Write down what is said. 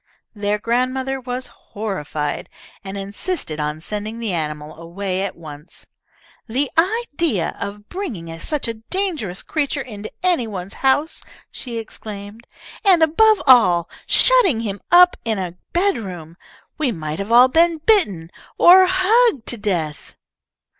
Their grandmother was horrified, and insisted on sending the animal away at once. "The idea of bringing such a dangerous creature into any one's house," she exclaimed, "and, above all, of shutting him up in a bedroom! We might have all been bitten, or hugged to death!"